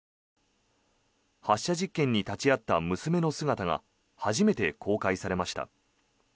発射実験に立ち会った娘の姿が初めて公開されました。